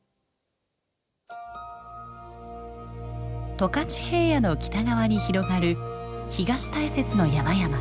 十勝平野の北側に広がる東大雪の山々。